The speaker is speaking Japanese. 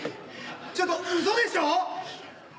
ちょっとうそでしょ？